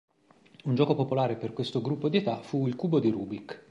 Un gioco popolare per questo gruppo di età fu il Cubo di Rubik.